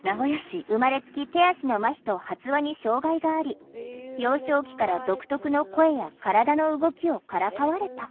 生まれつき手足のまひと発話に障害があり幼少期から独特の声や体の動きをからかわれた。